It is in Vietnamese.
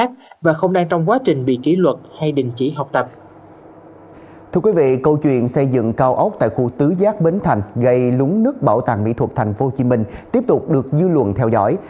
câu chuyện xây dựng cao ốc tại khu tứ giác bến thành gây lúng nứt bộ tàng mỹ thuật tp hcm tiếp tục được dư luận theo dõi